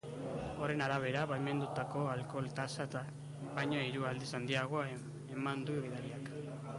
Horren arabera, baimendutako alkohol-tasa baino hiru aldiz handiagoa eman du gidariak.